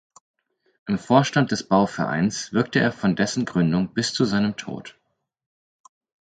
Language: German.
Im Vorstand des Bauvereins wirkte er von dessen Gründung bis zu seinem Tod.